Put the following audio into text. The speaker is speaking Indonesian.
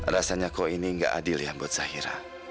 rasanya kau ini gak adil ya buat zahira